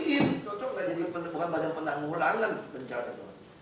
cocok kan jadi penemuan badan penanggulangan bencana